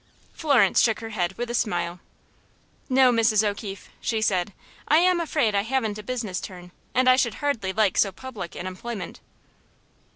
Florence shook her head, with a smile. "No, Mrs. O'Keefe," she said. "I am afraid I haven't a business turn, and I should hardly like so public an employment."